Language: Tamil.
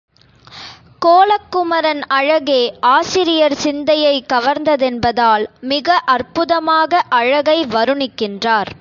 கோலக்குமரன் அழகே ஆசிரியர் சிந்தையைக் கவர்ந்த தென்பதால் மிக அற்புதமாக அழகை வருணிக்கின்றார்.